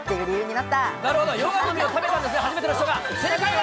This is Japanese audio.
なるほどヨガの実を食べたんですね、初めての人が。